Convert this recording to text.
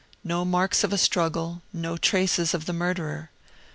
No marks of a struggle; no traces of the murderer.